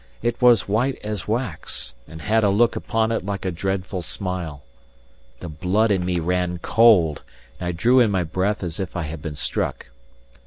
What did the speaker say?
It was as white as wax, and had a look upon it like a dreadful smile. The blood in me ran cold, and I drew in my breath as if I had been struck.